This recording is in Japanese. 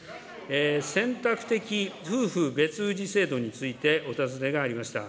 選択的夫婦別氏制度についてお尋ねがありました。